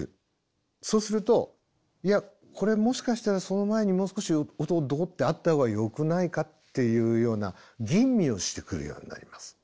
そうするといやこれもしかしたらその前にもう少し音をドってあったほうがよくないかっていうような吟味をしてくるようになります。